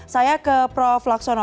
saya ke prof laksono